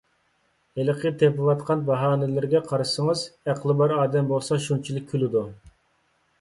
ھېلىقى تېپىۋاتقان باھانىلىرىگە قارىسىڭىز، ئەقلى بار ئادەم بولسا شۇنچىلىك كۈلىدۇ.